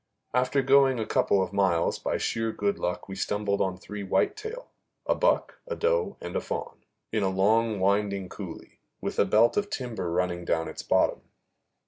After going a couple of miles, by sheer good luck we stumbled on three whitetail a buck, a doe and a fawn in a long winding coulee, with a belt of timber running down its bottom.